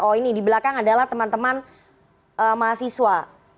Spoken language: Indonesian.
oh ini di belakang adalah teman teman mahasiswa